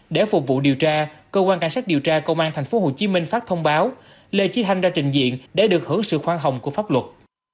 để phục vụ điều tra cơ quan cảnh sát điều tra công an tp hcm phát thông báo lê trí thanh ra trình diện để được hưởng sự khoan hồng của pháp luật